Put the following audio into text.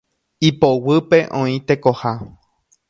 Ipoguýpe oĩ tekoha.